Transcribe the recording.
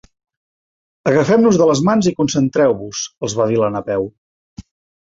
Agafem-nos de les mans i concentreu-vos —els va dir la Napeu—.